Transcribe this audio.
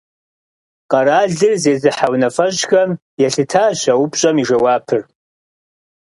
Къэралыр зезыхьэ унафэщӀхэм елъытащ а упщӀэм и жэуапыр.